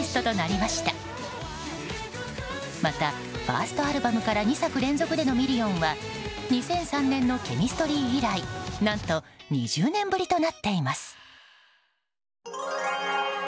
また、ファーストアルバムから２作連続でのミリオンは２００３年のＣＨＥＭＩＳＴＲＹ以来何と２０年ぶりとなっています。